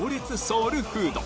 ソウルフード